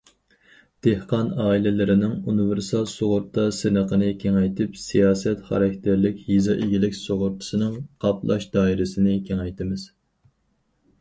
دېھقان ئائىلىلىرىنىڭ ئۇنىۋېرسال سۇغۇرتا سىنىقىنى كېڭەيتىپ، سىياسەت خاراكتېرلىك يېزا ئىگىلىك سۇغۇرتىسىنىڭ قاپلاش دائىرىسىنى كېڭەيتىمىز.